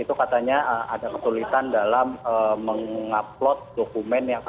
itu katanya ada kesulitan dalam mengupload dokumen